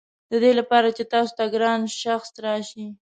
ددې لپاره چې تاسو ته ګران شخص راشي.